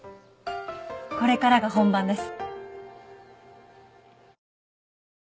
これからが本番です。